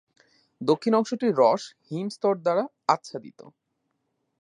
দক্ষিণ অংশটি রস হিম স্তর দ্বারা আচ্ছাদিত।